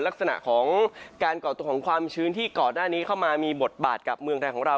ลักษณะของการก่อตัวของความชื้นที่ก่อนหน้านี้เข้ามามีบทบาทกับเมืองไทยของเรา